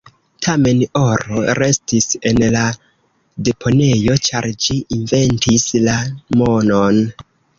Tamen, oro restis en la deponejo, ĉar ĝi "inventis" la monon.